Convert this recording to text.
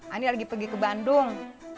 ini lagi pergi ke bandung